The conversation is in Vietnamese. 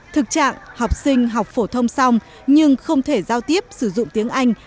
thực trạng học sinh học phổ thông xong nhưng không thể giao tiếp sử dụng tiếng anh